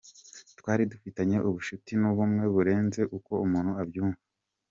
Twari dufitanye ubushuti n’ubumwe burenze uko umuntu abyumva.